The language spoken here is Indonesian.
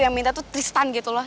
yang minta tuh tristan gitu loh